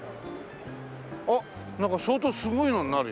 あっなんか相当すごいのになるよ？